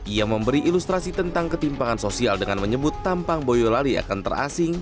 ia memberi ilustrasi tentang ketimpangan sosial dengan menyebut tampang boyolali akan terasing